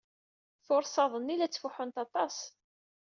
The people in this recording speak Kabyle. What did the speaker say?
Tursaḍ-nni la ttfuḥunt aṭas.